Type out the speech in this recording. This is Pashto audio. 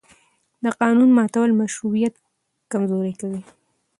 د قانون ماتول مشروعیت کمزوری کوي